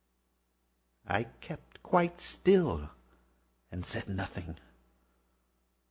I kept quite still and said nothing.